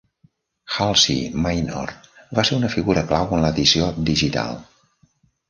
Halsey Minor va ser una figura clau en l'edició digital.